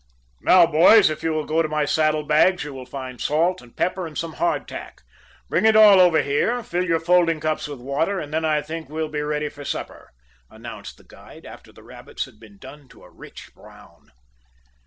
"Now, boys, if you will go to my saddle bags you will find salt and pepper and some hard tack. Bring it all over here, fill your folding cups with water, and then I think we'll be ready for supper," announced the guide, after the rabbits had been done to a rich brown.